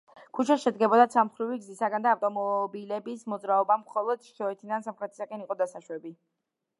ქუჩა შედგებოდა ცალმხრივი გზისგან და ავტომობილების მოძრაობა მხოლოდ ჩრდილოეთიდან სამხრეთისკენ იყო დასაშვები.